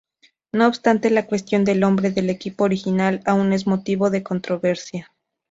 No obstante, la cuestión del nombre del equipo original aún es motivo de controversia.